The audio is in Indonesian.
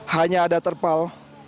hanya ada terpal